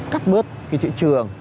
cắt bớt cái chữ trường